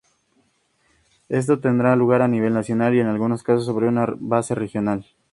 Esto tendrá lugar a nivel nacional y en algunos casos sobre una base regional.